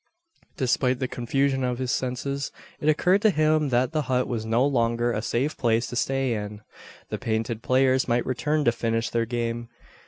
Despite the confusion of his senses, it occurred to him that the hut was no longer a safe place to stay in. The painted players might return to finish their game.